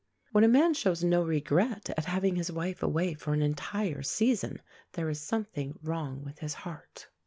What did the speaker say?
When a man shows no regret at having his wife away for an entire season, there is something wrong with his heart.